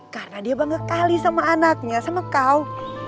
karena dia bangga kali sama anaknya sama kau